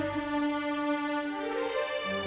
aku mau ke rumah